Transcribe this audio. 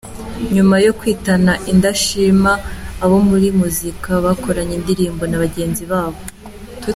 Nyuma yo kwitana indashima, abo muri muzika bakoranye indirimbo nabagenzibabo